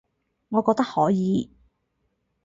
我覺得可以